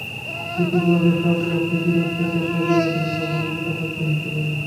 ইতিপূর্বে ব্যবসা উপলক্ষে বিনোদ সে চেষ্টা করিয়াছিলেন, কখনো কৃতকার্য হইতে পারেন নাই।